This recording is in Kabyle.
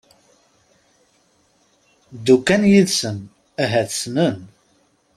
Ddu kan yid-sen ahat ssnen.